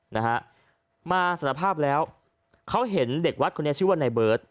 นะฮะมาสารภาพแล้วเขาเห็นเด็กวัดคนนี้ชื่อว่าในเบิร์ต